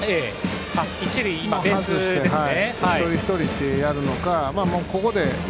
一塁ベースですね。